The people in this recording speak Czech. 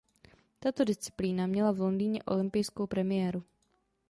Tato disciplína měla v Londýně olympijskou premiéru.